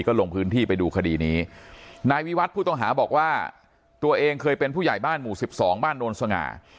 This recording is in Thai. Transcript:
ก็ลงพื้นที่ไปดูคดีนี้นายวิวัตรผู้ต้องหาบอกว่าตัวเองเคยเป็นผู้ใหญ่บ้านหมู่สิบสองบ้านโนนสง่า